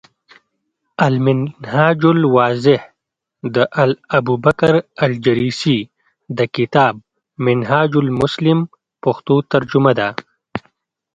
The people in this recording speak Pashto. المنهاج الواضح، د الابوبکرالجريسي د کتاب “منهاج المسلم ” پښتو ترجمه ده ۔